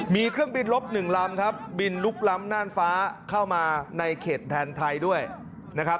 มีเครื่องบินลบ๑ลำครับบินลุกล้ำน่านฟ้าเข้ามาในเขตแทนไทยด้วยนะครับ